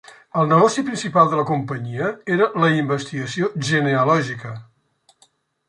El negoci principal de la companyia era la investigació genealògica.